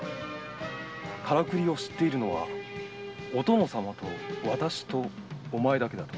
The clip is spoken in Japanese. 「カラクリを知っているのはお殿様と私とお前だけだ」と。